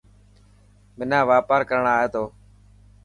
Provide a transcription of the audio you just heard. منا واپار ڪرڻ آئي ٿو.